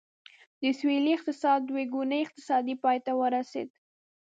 د سوېلي افریقا دوه ګونی اقتصاد پای ته ورسېد.